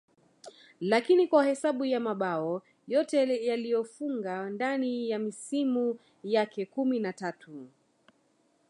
lakini kwa hesabu ya mabao yote aliyofunga ndani ya misimu yake kumi na tatu